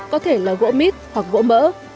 có thể là gỗ mít hoặc gỗ mỡ